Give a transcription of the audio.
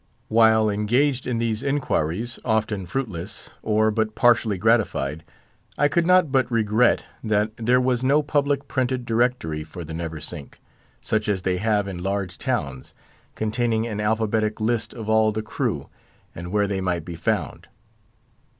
While engaged in these inquiries, often fruitless, or but partially gratified, I could not but regret that there was no public printed Directory for the Neversink, such as they have in large towns, containing an alphabetic list of all the crew, and where they might be found.